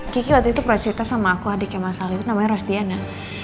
kiki waktu itu praserta sama aku adiknya mas ali itu namanya rosdiana